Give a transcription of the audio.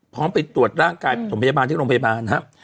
ไปตรวจร่างกายประถมพยาบาลที่โรงพยาบาลครับ